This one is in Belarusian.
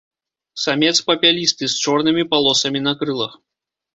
Самец папялісты, з чорнымі палосамі на крылах.